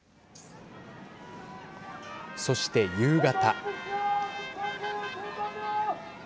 そして夕方。